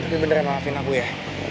tapi beneran maafin aku ya